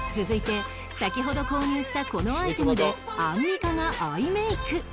続いて先ほど購入したこのアイテムでアンミカがアイメイク